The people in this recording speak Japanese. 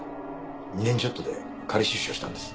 ２年ちょっとで仮出所したんです。